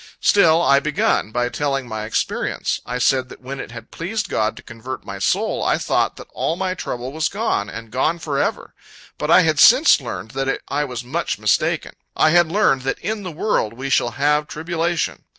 Still I begun, by telling my experience. I said that when it had pleased God to convert my soul, I thought that all my trouble was gone, and gone forever; but I had since learned that I was much mistaken I had learned that "in the world we shall have tribulation."